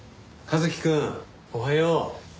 おはよう。